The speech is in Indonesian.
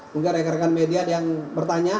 mungkin rekan rekan media yang bertanya